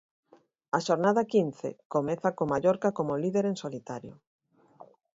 A xornada quince comeza co Mallorca como líder en solitario.